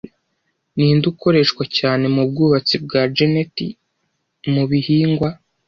Ninde ukoreshwa cyane mubwubatsi bwa geneti mubihingwa